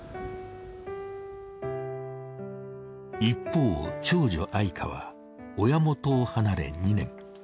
一方長女愛華は親もとを離れ２年。